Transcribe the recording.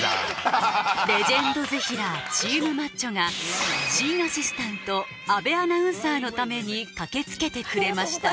レジェンドぜひらーチームマッチョが新アシスタント阿部アナウンサーのために駆けつけてくれました